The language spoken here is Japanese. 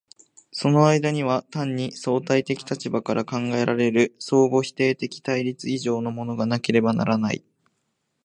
その間には単に主体的立場から考えられる相互否定的対立以上のものがなければならない。